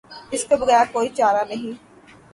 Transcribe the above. اس کے بغیر کوئی چارہ نہیں۔